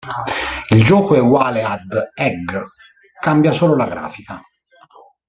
Il gioco è uguale ad Egg, cambia solo la grafica.